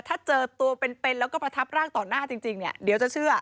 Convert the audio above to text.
ถ้าเจอตัวเป็นแล้วก็ประทับร่างต่อหน้าจริงเนี่ยเดี๋ยวจะเชื่อ